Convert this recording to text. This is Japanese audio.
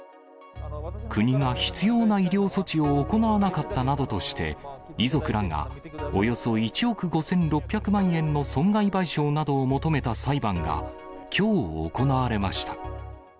国が必要な医療措置を行わなかったなどとして、遺族らがおよそ１億５６００万円の損害賠償などを求めた裁判が、きょう行われました。